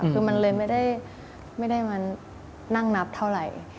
คือมันเลยไม่ได้มานั่งนับเท่าไหร่